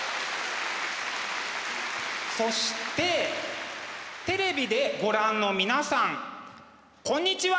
そしてテレビでご覧の皆さんこんにちは！